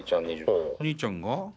お兄ちゃんが？